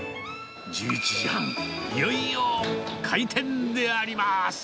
１１時半、いよいよ開店であります。